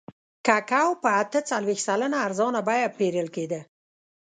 کوکو په اته څلوېښت سلنه ارزانه بیه پېرل کېده.